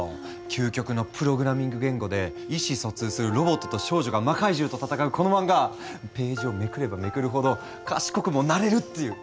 究極のプログラミング言語で意思疎通するロボットと少女が魔怪獣と戦うこの漫画ページをめくればめくるほど賢くもなれるっていう。